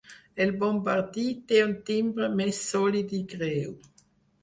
El bombardí té un timbre més sòlid i greu.